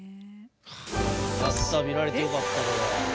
見られてよかった。